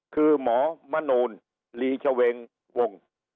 คือหมอมนูลลีชเวงวง